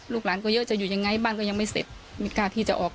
หลานก็เยอะจะอยู่ยังไงบ้านก็ยังไม่เสร็จไม่กล้าที่จะออก